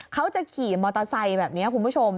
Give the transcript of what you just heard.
เขาจะขี่มอเตอร์ไซค์แบบนี้คุณผู้ชม